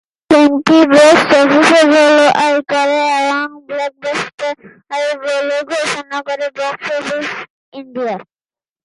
ফিল্মটি box অফিসে ভালো আয় করে এবং "ব্লকবাস্টার" বলে ঘোষণা করে বক্স অফিস ইন্ডিয়া।